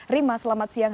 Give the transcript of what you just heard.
rima selamat siang